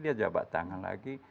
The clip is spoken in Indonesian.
dia jabat tangan lagi